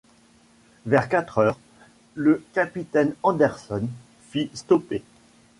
Vers quatre heures, le capitaine Anderson fit stopper.